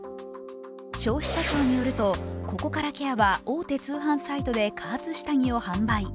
消費者著によると、ココカラケアは大手通販サイトで加圧下着を販売。